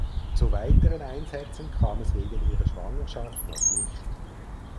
Zu weiteren Einsätzen kam es wegen ihrer Schwangerschaft noch nicht.